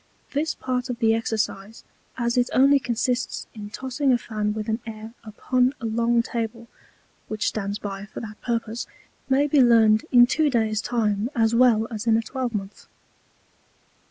This Part of the Exercise, as it only consists in tossing a Fan with an Air upon a long Table (which stands by for that Purpose) may be learned in two Days Time as well as in a Twelvemonth.